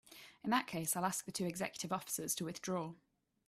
In that case I'll ask the two executive officers to withdraw.